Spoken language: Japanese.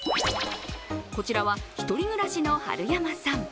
こちらは一人暮らしの春山さん。